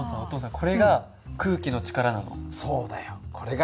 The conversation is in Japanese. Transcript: これが空気の力さ。